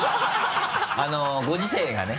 ご時世がね。